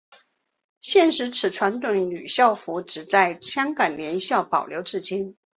现时此传统女校服只在香港联校保留至今。